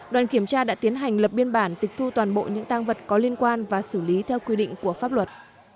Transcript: đoàn kiểm tra đã tiến hành lập biên bản tịch thu toàn bộ những tăng vật có liên quan và xử lý theo quy định của pháp luật